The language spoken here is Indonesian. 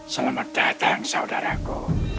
selamat datang saudaraku